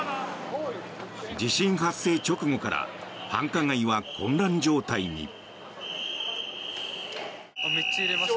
地震発生直後から繁華街は混乱状態に。